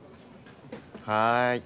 はい。